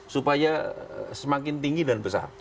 supaya semakin tinggi dan besar